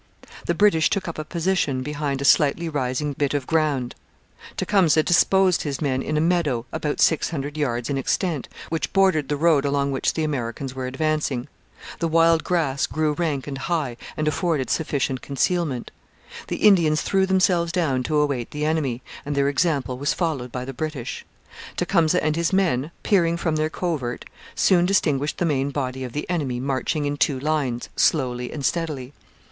The British took up a position behind a slightly rising bit of ground. Tecumseh disposed his men in a meadow, about six hundred yards in extent, which bordered the road along which the Americans were advancing. The wild grass grew rank and high and afforded sufficient concealment. The Indians threw themselves down to await the enemy, and their example was followed by the British. Tecumseh and his men, peering from their covert, soon distinguished the main body of the enemy marching in two lines, slowly and steadily.